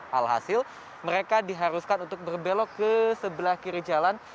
alhasil mereka diharuskan untuk berbelok ke sebelah kiri jalan